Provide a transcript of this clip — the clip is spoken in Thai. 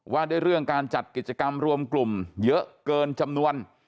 ว่าได้เรื่องการจัดกิจกรรมรวมกลุ่มเยอะเกินจำนวน